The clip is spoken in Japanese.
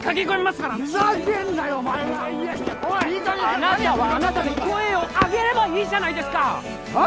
あなたはあなたで声を上げればいいじゃないですかはあ？